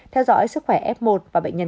theo dõi sức khỏe f một và bệnh nhân